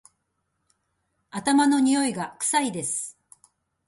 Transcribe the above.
頭のにおいが臭いです